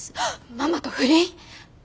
ママと不倫！？